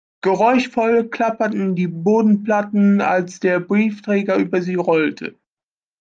Geräuschvoll klapperten die Bodenplatten, als der Briefträger über sie rollte.